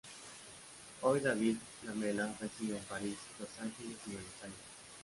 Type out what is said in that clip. Hoy David Lamelas reside en París, Los Ángeles y Buenos Aires.